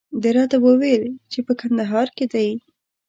ده راته وویل چې په کندهار کې دی.